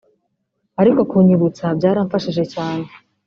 ariko kunyibutsa byaramfashije cyane